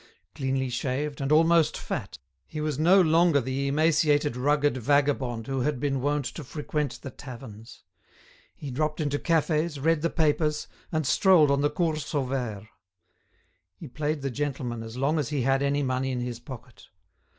Cleanly shaved, and almost fat, he was no longer the emaciated ragged vagabond who had been wont to frequent the taverns. He dropped into cafes, read the papers, and strolled on the Cours Sauvaire. He played the gentleman as long as he had any money in his pocket.